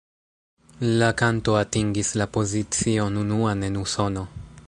La kanto atingis la pozicion unuan en Usono.